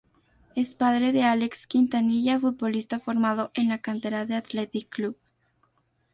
Es padre de Álex Quintanilla, futbolista formado en la cantera del Athletic Club.